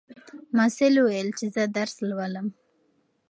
محصل وویل چې زه درس لولم.